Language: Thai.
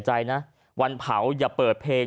พ่อไม่เอามาอยู่แล้ว